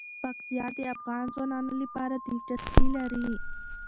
پکتیا د افغان ځوانانو لپاره دلچسپي لري.